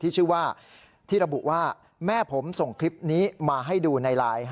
ชื่อว่าที่ระบุว่าแม่ผมส่งคลิปนี้มาให้ดูในไลน์